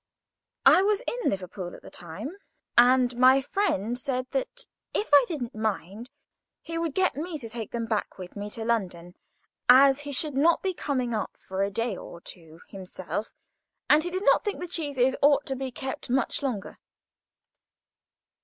I was in Liverpool at the time, and my friend said that if I didn't mind he would get me to take them back with me to London, as he should not be coming up for a day or two himself, and he did not think the cheeses ought to be kept much longer.